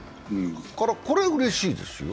これ、うれしいですよ。